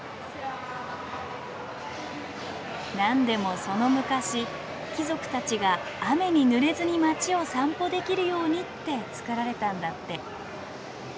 何でもその昔貴族たちが雨にぬれずに街を散歩できるようにって造られたんだって。